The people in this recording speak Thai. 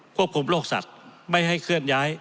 ควบคุมโรคสัตว์ไม่ให้เคลื่อนย้าย